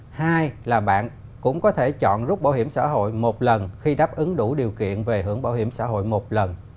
hai là bạn cũng có thể chọn rút bảo hiểm xã hội một lần khi đáp ứng đủ điều kiện về hưởng bảo hiểm xã hội một lần